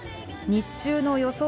日中の予想